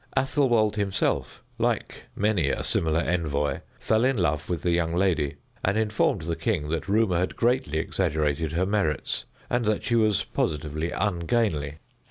Athelwold himself, like many a similar envoy, fell in love with the young lady, and informed the king that rumor had greatly exaggerated her merits, and that she was positively ungainly.